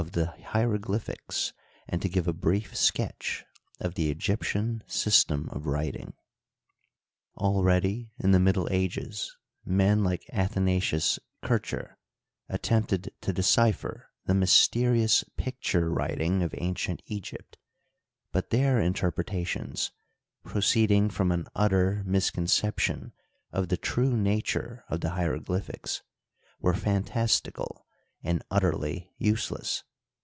13 the hieroglyphics and to give a brief sketch of the Egyp tion system of writing. Already in the Middle Ages men like Athanasius Kircher attempted to decipher the " mysterious picture writing " of ancient Egypt ; but their interpretations, pro ceeding from an utter misconception of the true nature of the hieroglyphics, were fantastical and utterly useless.